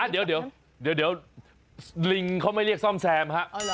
เดี๋ยวเดี๋ยวลิงเขาไม่เรียกซ่อมแซมครับ